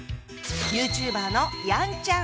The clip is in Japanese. ＹｏｕＴｕｂｅｒのヤンちゃん！